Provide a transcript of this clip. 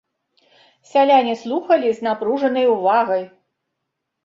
Сяляне слухалі з напружанай увагай.